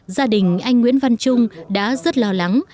gia đình anh nguyễn văn trung đã rất lo lắng